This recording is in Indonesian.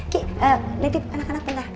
kiki netip anak anak bentar